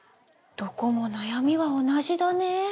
どこも悩みは同じだね。